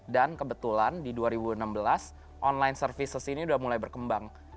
dan kebetulan di dua ribu enam belas online services ini udah mulai berkembang